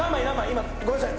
今ごめんなさい